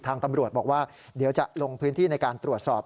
ทางตำรวจบอกว่าเดี๋ยวจะลงพื้นที่ในการตรวจสอบ